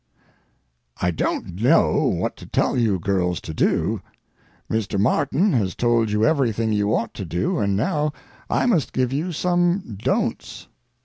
I don't know what to tell you girls to do. Mr. Martin has told you everything you ought to do, and now I must give you some don'ts.